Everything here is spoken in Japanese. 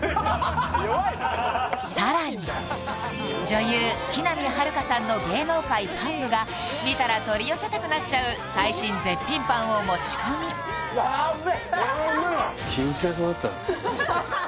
さらに女優木南晴夏さんの芸能界パン部が見たら取り寄せたくなっちゃう最新絶品パンを持ち込みうわうめえ！